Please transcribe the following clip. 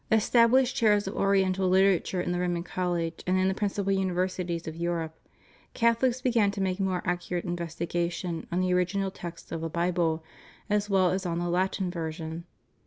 established chairs of Oriental literature in the Roman College and in the principal universities of Europe, Cathohes began to make more accurate investigation on the original text of the Bible as well as on the Latin version.